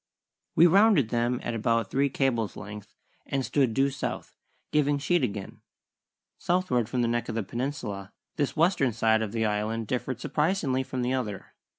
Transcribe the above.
We rounded them at about three cables' length and stood due south, giving sheet again. Southward from the neck of the peninsula this western side of the Island differed surprisingly from the other.